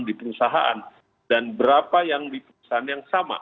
dan berapa yang di perusahaan yang sama